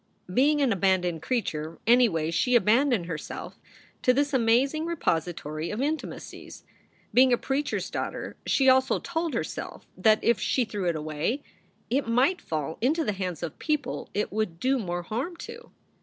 Being an abandoned creature, anyway, she abandoned herself to this amazing repository of intimacies. Being a preacher s daughter, she also told herself that if she threw it away it might fall into the hands of people it would do more harm to.